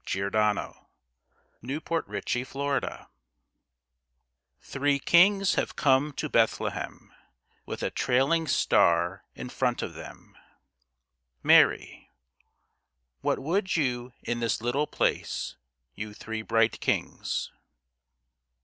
THE MASQUE OF THE MAGI Three Kings have come to Bethlehem With a trailing star in front of them. MARY What would you in this little place, You three bright kings?